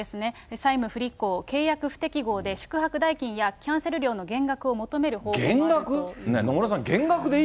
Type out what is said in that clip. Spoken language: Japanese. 債務不履行、契約不適合で、宿泊代金やキャンセル料の減額を求める方法があるということです。